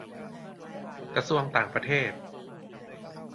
-กระทรวงต่างประเทศ